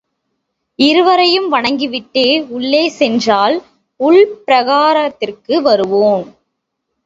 இருவரையும் வணங்கிவிட்டே உள்ளே சென்றால் உள் பிராகாரத்திற்கு வருவோம்.